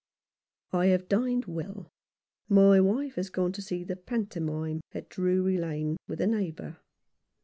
I have dined well, my wife has gone to see the pantomime at Drury Lane with a neighbour.